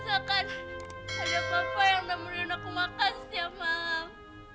ada papa yang nama nama aku makan setiap malam